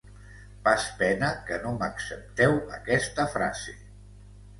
Pas pena que no m'accepteu aquesta frase.